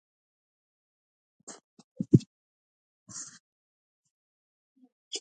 افغانستان کې د ستوني غرونه د پرمختګ هڅې روانې دي.